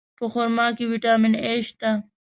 په خرما کې ویټامین A شته.